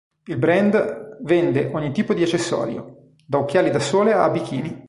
Il brand vende ogni tipo di accessorio, da occhiali da sole a bikini.